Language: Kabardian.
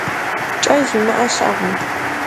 КӀэ зимыӀэ щыӀэкъым.